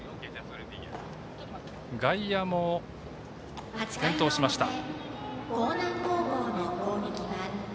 外野も点灯しました。